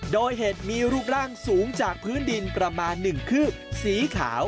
โดยเห็ดมีรูปร่างสูงจากพื้นดินประมาณ๑คืบสีขาว